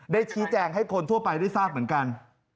ได้ชี้แจงให้คนทั่วไปได้ทราบเหมือนกัน